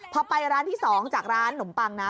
พอไปร้านที่๒จากร้านนมปังนะ